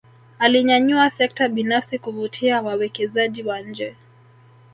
Alinyanyua sekta binafsi kuvutia wawekezaji wa nje